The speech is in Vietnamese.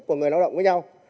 và người lao động với nhau